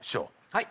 はい。